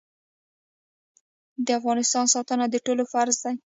د افغانستان ساتنه د ټولو فرض دی